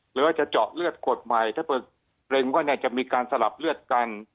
หรือว่าจะเจาะเลือดกดใหม่ถ้าเกิดเกรงว่าจะมีการสลับเลือดกัน